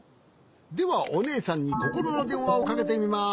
ではおねえさんにココロのでんわをかけてみます。